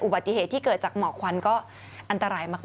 อุบัติเหตุที่เกิดจากหมอกควันก็อันตรายมาก